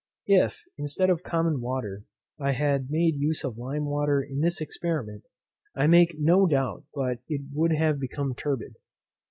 If, instead of common water, I had made use of lime water in this experiment, I make no doubt but it would have become turbid.